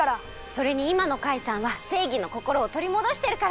それにいまのカイさんはせいぎのこころをとりもどしてるから！